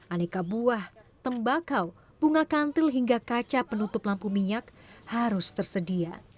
aneka buah tembakau bunga kantil hingga kaca penutup lampu minyak harus tersedia